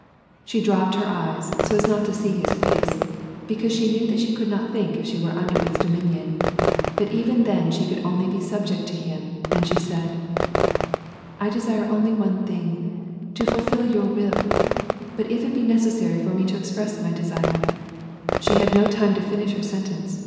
She droj>ped her eyes, so as not to see his face, because she knew that she could not think if she were under its dominion, but even then she could only be subject to him, and she said, —" I desire only one thing, to fulfil your will ; but if it be necessary for me to express my desire "— She h;ul no time to tinish her sentence.